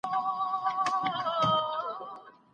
تخیل د نویو نظریاتو سرچینه ده.